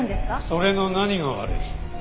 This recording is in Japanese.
それの何が悪い？